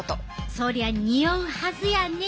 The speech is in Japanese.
そりゃにおうはずやね！